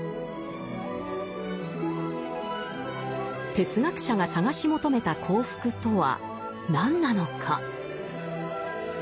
哲学者が探し求めた幸福とは何なのか。